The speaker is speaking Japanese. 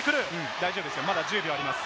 大丈夫です、まだ１０秒あります。